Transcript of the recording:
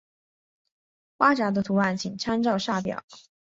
花札的图案请参照下表。